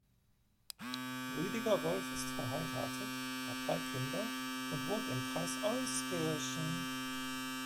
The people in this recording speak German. Rüdiger Wolf ist verheiratet, hat drei Kinder und wohnt im Kreis Euskirchen.